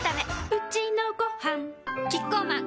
うちのごはんキッコーマン